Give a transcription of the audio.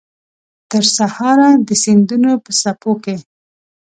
ترسهاره د سیندونو په څپو کې